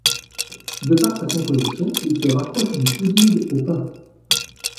De par sa composition, il se rapproche du pudding au pain.